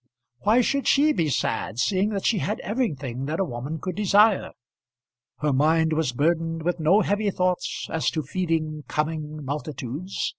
Why should she be sad, seeing that she had everything that a woman could desire? Her mind was burdened with no heavy thoughts as to feeding coming multitudes.